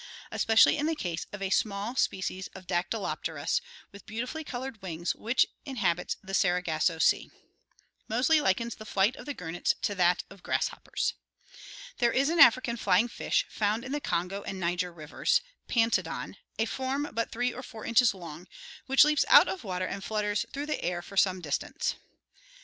especially in the case of a small species of Dactyloptena with beautifully colored wings, which inhabits the Sargasso Sea." Moseley likens the flight of the gurnets to that of grasshoppers. There is an African flying fish found in the Kongo and Niger rivers — Paniodon, a form but three or four inches long — which leaps out of water and flutters through the air for some distance.